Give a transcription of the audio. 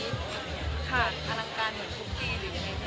อลังการมีทุกตีอยู่กันไหมคะ